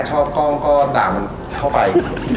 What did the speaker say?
ชอบกล้องก็ตามเข้าไป